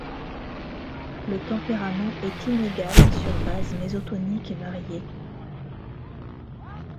Le tempérament est inégal sur base mésotonique variée.